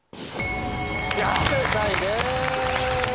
正解です。